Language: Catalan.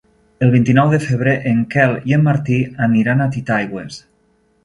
El vint-i-nou de febrer en Quel i en Martí aniran a Titaigües.